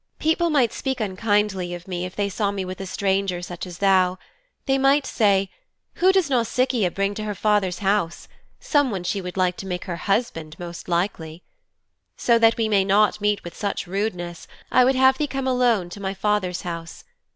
People might speak unkindly of me if they saw me with a stranger such as thou. They might say, "Who does Nausicaa bring to her father's house? Someone she would like to make her husband, most likely." So that we may not meet with such rudeness I would have thee come alone to my father's house.